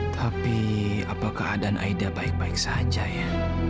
tapi apa keadaan aida baik baik saja ya